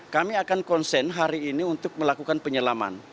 kami akan konsen hari ini untuk melakukan penyelaman